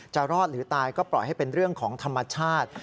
รอดหรือตายก็ปล่อยให้เป็นเรื่องของธรรมชาติ